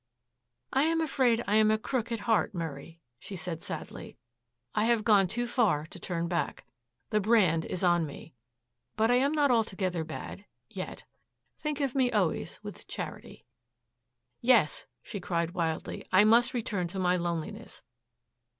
"I am afraid I am a crook at heart, Murray," she said sadly. "I have gone too far to turn back. The brand is on me. But I am not altogether bad yet. Think of me always with charity. Yes," she cried wildly, "I must return to my loneliness.